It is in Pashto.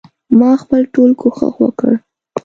ما خپل ټول کوښښ وکړ.